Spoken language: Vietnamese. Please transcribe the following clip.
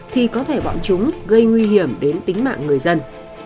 thì có thể bọn chúng gây nguy hiểm đến tính mạng người dân